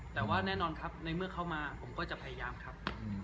แต่ว่าแน่นอนครับในเมื่อเข้ามาผมก็จะพยายามครับ